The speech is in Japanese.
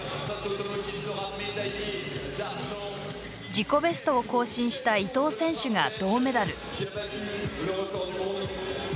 自己ベストを更新した伊藤選手が銅メダル。